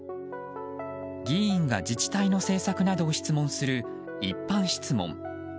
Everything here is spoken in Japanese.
議員が自治体の政策などを質問する、一般質問。